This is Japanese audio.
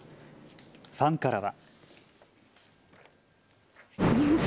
ファンからは。